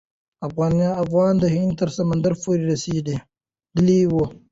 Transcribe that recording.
افغانان د هند تر سمندر پورې رسیدلي وو.